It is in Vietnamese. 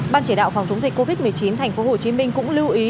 ban chỉ đạo phòng chống dịch covid một mươi chín tp hcm cũng lưu ý